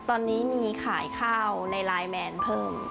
ตอนนี้มีขายข้าวในไลน์แมนเพิ่ม